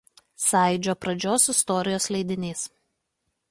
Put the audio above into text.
Sąjūdžio pradžios istorijos leidinys.